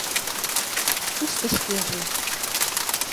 Кушто шкеже?